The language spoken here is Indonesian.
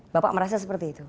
bapak merasa seperti itu